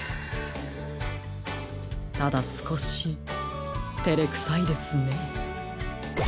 ただすこしてれくさいですね。